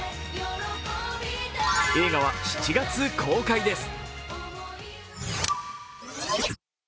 映画は７月公開です。